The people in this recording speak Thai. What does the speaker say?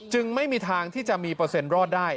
ไม่มีทางที่จะมีเปอร์เซ็นต์รอดได้